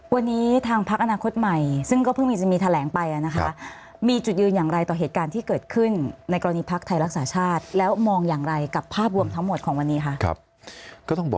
วันนี้แถลงไปมีจุดยืนอย่างไรต่อเหตุการณ์ที่เกิดขึ้นในกรณีพรรคไทยรักษาชาติแล้วมองอย่างไรกับภาพรวมทั้งหมดของวันนี้ครับ